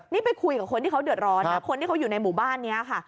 นี่ไปคุยกับคนที่เขาเดือดร้อนนะคนที่เขาอยู่ในหมู่บ้านนี้ค่ะ